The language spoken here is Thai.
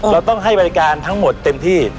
เราต้องให้บริการทั้งหมดเต็มที่